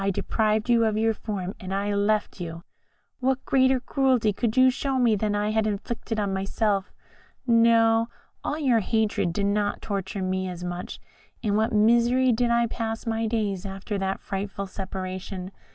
I deprived you of your form, and I left you. What greater cruelty could you show me than I had inflicted on myself? No, all your hatred did not torture me as much. In what misery did I pass my days after that frightful separation!